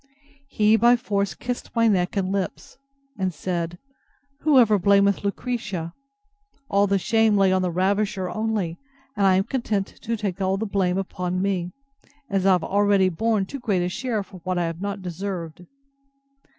He by force kissed my neck and lips; and said, Whoever blamed Lucretia? All the shame lay on the ravisher only and I am content to take all the blame upon me, as I have already borne too great a share for what I have not deserved.